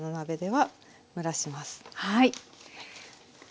はい。